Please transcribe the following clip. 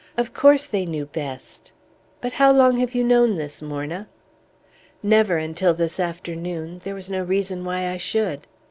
Of course they knew best! But how long have you known this, Morna?" "Never until this afternoon; there was no reason why I should."